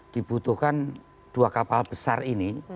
dibutuhkan dua kapal besar ini